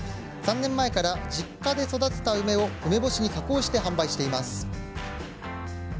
３年前から、実家で育てた梅を梅干しに加工して販売しています。